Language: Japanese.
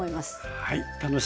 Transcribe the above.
はい。